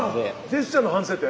ジェスチャーの反省点？